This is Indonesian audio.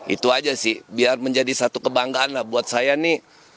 itu aja sih biar menjadi satu kebanggaan lah buat saya nih